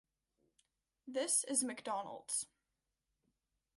This is Mcdonald's.